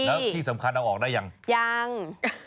แล้วที่สำคัญเอาออกได้ยังยัง